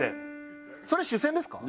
それ主旋ですか？